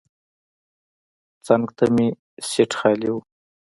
څنګ ته مې سیټ خالي و.